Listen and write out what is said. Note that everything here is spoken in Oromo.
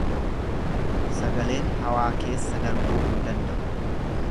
Sagaleen hawaa keessa darbuu hin danda’u.